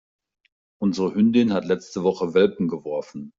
Unsere Hündin hat letzte Woche Welpen geworfen.